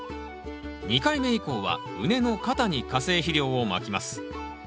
２回目以降は畝の肩に化成肥料をまきます。